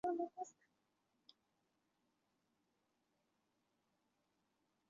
填漆工艺在明朝和清朝越趋成熟。